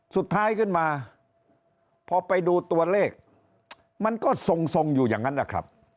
สุดท้ายขึ้นมาพอไปดูตัวเลขมันก็ทรงอยู่อย่างนั้นนะครับ